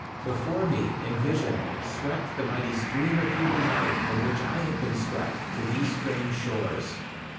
Before me, in vision, swept the mighty stream of human life from which I had been swept to these strange shores.